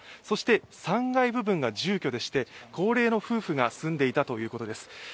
そして３階部分が住居でして高齢の夫婦が住んでいたということです。